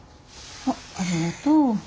あっありがとう。